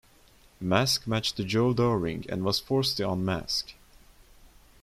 Mask match to Joe Doering and was forced to unmask.